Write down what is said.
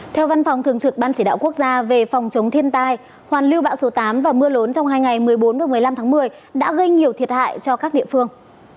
theo văn phòng thường trực ban chỉ đạo quốc gia về phòng chống thiên tai hoàn lưu bão số tám và mưa lớn trong hai ngày một mươi bốn và một mươi năm tháng một mươi đã gây nhiều thiệt hại cho các địa phương